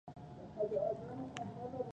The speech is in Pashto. نور اروپايي قدرتونه به ګټه واخلي.